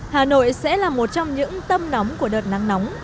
hà nội sẽ là một trong những tâm nóng của đợt nắng nóng